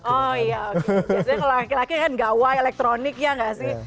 oh iya oke biasanya kalau laki laki kan gawai elektronik ya nggak sih